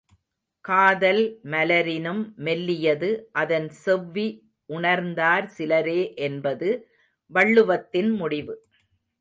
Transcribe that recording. காதல் மலரினும் மெல்லியது அதன் செவ்வி உணர்ந்தார் சிலரே என்பது வள்ளுவத்தின் முடிவு.